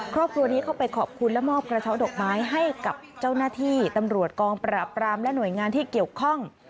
ครอบครัวนี้เข้าไปขอบคุณและมอบกระเช้าดอกไม้ให้กับเจ้าหน้าที่ตำรวจกองปราบรามและหน่วยงานที่เกี่ยวข้อง